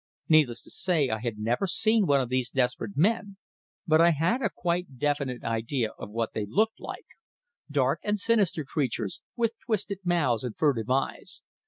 Needless to say, I had never seen one of these desperate men; but I had a quite definite idea what they looked like dark and sinister creatures, with twisted mouths and furtive eyes.